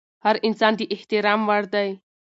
هر انسان د احترام وړ دی.